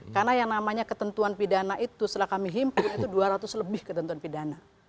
karena yang namanya ketentuan pidana itu setelah kami himpun itu dua ratus lebih ketentuan pidana